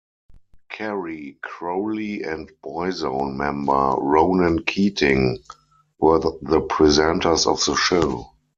Carrie Crowley and Boyzone member Ronan Keating were the presenters of the show.